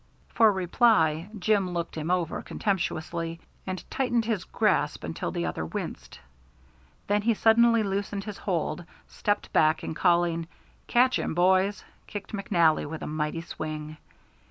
For reply Jim looked him over contemptuously, and tightened his grasp until the other winced. Then he suddenly loosened his hold, stepped back, and calling, "Catch him, boys!" kicked McNally with a mighty swing.